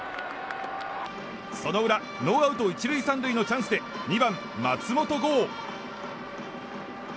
その裏ノーアウト１塁３塁のチャンスで２番、松本剛。